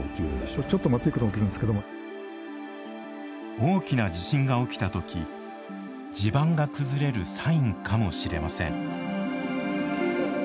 大きな地震が起きた時地盤が崩れるサインかもしれません。